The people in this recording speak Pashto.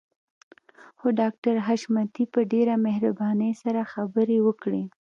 خو ډاکټر حشمتي په ډېره مهربانۍ سره خبرې وکړې.